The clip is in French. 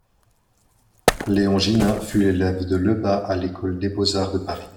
Léon Ginain fut l'élève de Lebas à l’École des beaux-arts de Paris.